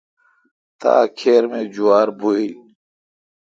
تا کھیر می جوار بھویل۔